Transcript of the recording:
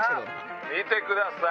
見てください！